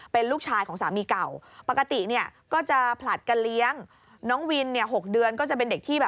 เป็นลูกชายของสามีเก่า